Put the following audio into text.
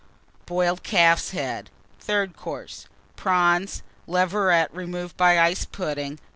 Boiled Calf's Head. Third Course. Prawns. Leveret, Tartlets. removed by Ice Pudding.